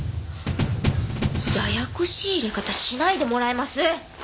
ややこしい淹れ方しないでもらえます！？